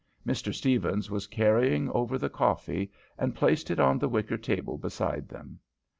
Mr. Stephens was carrying over the coffee and placing it on the wicker table beside them.